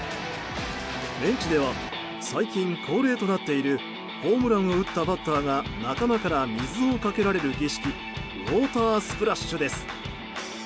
ベンチでは最近恒例となっているホームランを打ったバッターが仲間から水をかけられる儀式ウォータースプラッシュです。